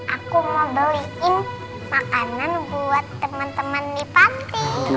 aku mau beliin makanan buat temen temen di panti